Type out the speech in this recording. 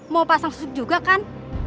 mau pasang surut juga kan